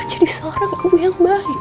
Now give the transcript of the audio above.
jadi seorang ibu yang baik